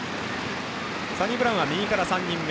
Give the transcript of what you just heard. サニブラウンは右から３人目。